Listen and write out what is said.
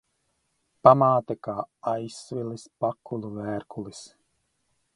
Pamāte kā aizsvilis pakulu vērkulis.